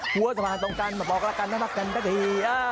หัวสะพานตรงกันมาบอกละกันนะครับกันได้ดี